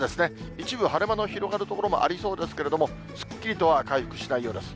一部、晴れ間の広がる所もありそうですけれども、すっきりとは回復しないようです。